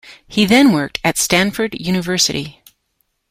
He then worked at Stanford University.